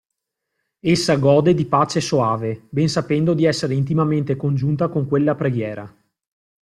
Essa gode di pace soave, ben sapendo di essere intimamente congiunta con quella preghiera.